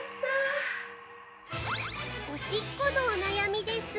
おしっこのお悩みです。